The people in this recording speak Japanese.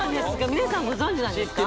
皆さんご存じなんですか？